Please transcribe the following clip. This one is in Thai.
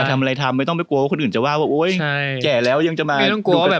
อยากทำอะไรทำไม่ต้องกลัวว่าคนอื่นจะว่าโอ๊ยแก่แล้วยังจะมาดูการ์ตูนดี